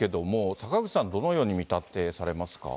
坂口さん、どのように見立てされますか。